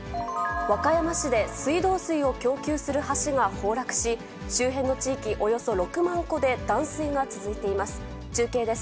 和歌山市で水道水を供給する橋が崩落し、周辺の地域、およそ６万戸で断水が続いています。